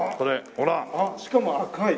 あっしかも赤い。